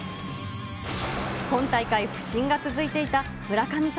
今大会、不振が続いていた村神様